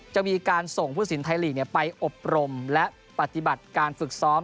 จะมีการส่งผู้สินไทยลีกไปอบรมและปฏิบัติการฝึกซ้อม